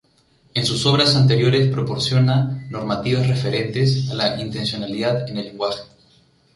En sus obras anteriores proporciona normativas referentes a la intencionalidad en el lenguaje.